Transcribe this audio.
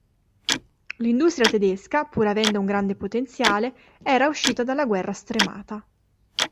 L'industria tedesca, pur avendo un grande potenziale, era uscita dalla guerra stremata.